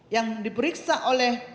yang diperiksa oleh